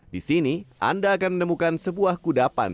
di sini anda akan menemukan sebuah kudapan